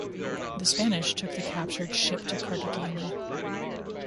The Spanish took the captured ship to Cartagena.